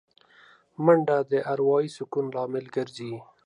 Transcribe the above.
منډه د اروايي سکون لامل ګرځي